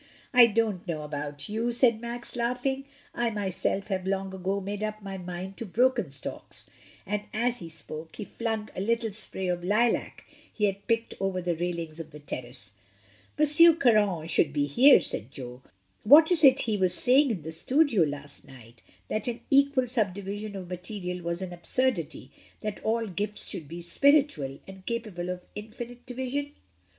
"I don't know about you," said Max laughing, "I myself have long ago made up my mind to broken stalks," and as he spoke he flung a little spray of lilac he had picked over the railings of the terrace. "M. Caron should be here," said Jo. "What is it he was saying in the studio last night, that an equal subdivision of material was an absurdity — that all gifts should be spiritual ... and capable of infinite division?"